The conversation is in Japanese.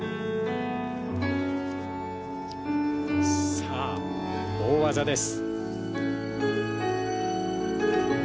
さあ大技です。